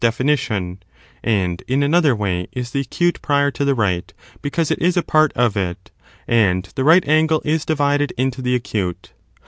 ^^ definition, and in another way is the acute prior to the right, because it is a part of it, and the right angle is divided into the acute.